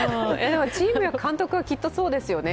チーム、監督はきっとそうですよね。